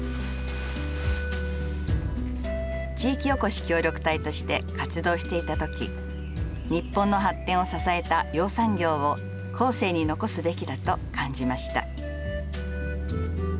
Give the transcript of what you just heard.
地域おこし協力隊として活動していたとき日本の発展を支えた養蚕業を後世に残すべきだと感じました。